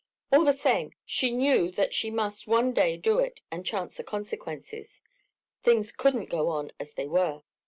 All the same, she knew that she must one day do it and chance the consequences. Things couldn't go on as they were.